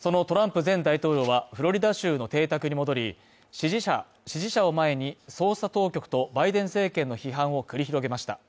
そのトランプ前大統領はフロリダ州の邸宅に戻り、支持者を前に、捜査当局とバイデン政権の批判を繰り広げました。